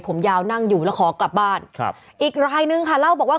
ผมยาวนั่งอยู่แล้วขอกลับบ้านครับอีกรายนึงค่ะเล่าบอกว่า